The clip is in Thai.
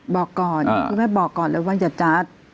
บอกก่อนคุณแม่บอกก่อนเลยว่าอย่าจัด